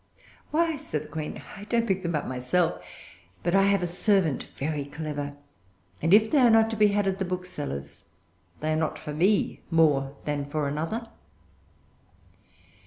"Why," said the Queen, "I don't pick them up myself. But I have a servant very clever; and, if they are not to be had at the booksellers', they are not for me more than for another."